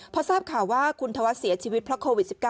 พอทราบข่าวว่าคุณธวัฒน์เสียชีวิตเพราะโควิด๑๙